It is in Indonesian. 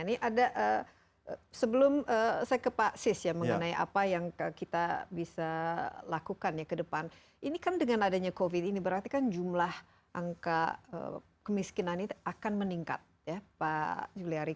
ini ada sebelum saya ke pak sis ya mengenai apa yang kita bisa lakukan ya ke depan ini kan dengan adanya covid ini berarti kan jumlah angka kemiskinan ini akan meningkat ya pak juliari